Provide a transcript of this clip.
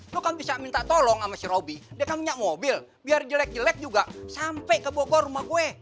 lo kan bisa minta tolong sama si robby dia kan punya mobil biar jelek jelek juga sampai ke bogor rumah gue